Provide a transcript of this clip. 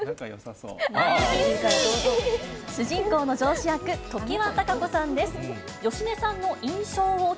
主人公の上司役、常盤貴子さんです。